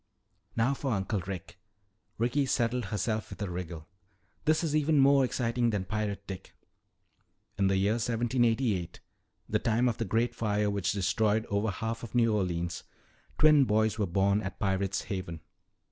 "Now for Uncle Rick." Ricky settled herself with a wriggle. "This is even more exciting than Pirate Dick." "In the year 1788, the time of the great fire which destroyed over half of New Orleans, twin boys were born at Pirate's Haven.